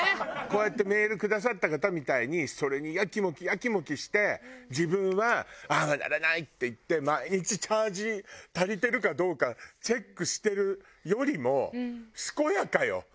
こうやってメールくださった方みたいにそれにやきもきやきもきして自分はああはならないっていって毎日チャージ足りてるかどうかチェックしてるよりも健やかよ。